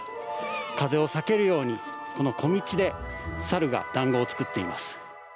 風を避けるように、この小道で猿が団子を作っています。